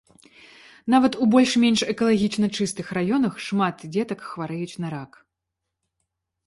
Нават у больш-менш экалагічна чыстых раёнах, шмат дзетак хварэюць на рак.